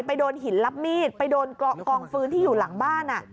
โดนหินรับมีดไปโดนกองฟื้นที่อยู่หลังบ้าน